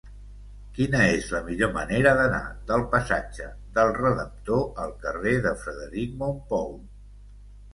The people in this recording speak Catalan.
Quina és la millor manera d'anar del passatge del Redemptor al carrer de Frederic Mompou?